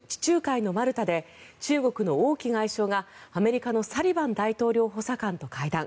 まず、１６日から１７日にかけて地中海のマルタで中国の王毅外相がアメリカのサリバン大統領補佐官と会談。